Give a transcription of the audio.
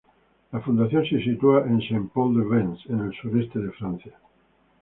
La fundación se sitúa en Saint-Paul-de-Vence, en el sureste de Francia.